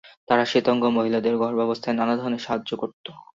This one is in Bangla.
তারা শেতাঙ্গ মহিলাদের গর্ভাবস্থায় নানা ধরনের সাহায্য করত।